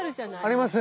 あります。